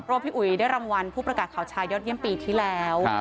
เพราะว่าพี่อุ๋ยได้รางวัลผู้ประกาศข่าวชายยอดเยี่ยมปีที่แล้ว